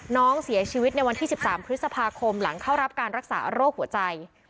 น้องเสียชีวิตในวันที่๑๓พฤษภาคมหลังเข้ารับการรักษาโรคหัวใจ